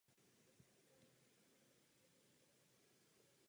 Ve skoku na lyžích závodil i jeho bratr František.